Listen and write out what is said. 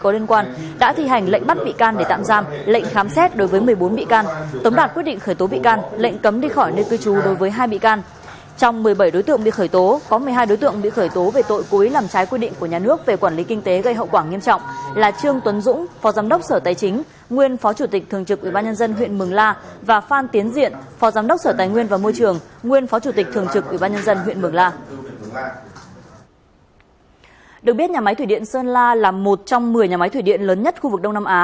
được biết nhà máy thủy điện sơn la là một trong một mươi nhà máy thủy điện lớn nhất khu vực đông nam á